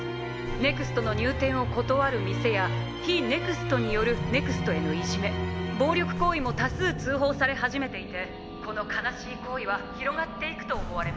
ＮＥＸＴの入店を断る店や非ＮＥＸＴによるＮＥＸＴへのいじめ暴力行為も多数通報され始めていてこの悲しい行為は広がっていくと思われます」。